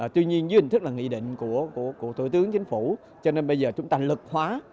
tuy nhiên dự án thức là nghị định của tổ tướng chính phủ cho nên bây giờ chúng ta lực hóa